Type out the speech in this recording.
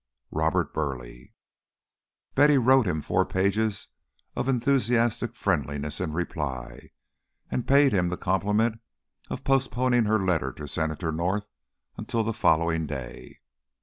ROBERT BURLEIGH. Betty wrote him four pages of enthusiastic friendliness in reply, and paid him the compliment of postponing her letter to Senator North until the following day.